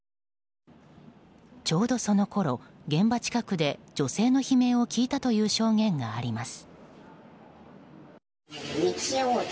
ちょうどそのころ現場近くで女性の悲鳴を聞いたという証言があります。